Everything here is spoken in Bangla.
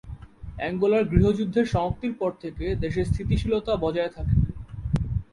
অ্যাঙ্গোলার গৃহযুদ্ধের সমাপ্তির পর থেকে দেশে স্থিতিশীলতা বজায় থাকে।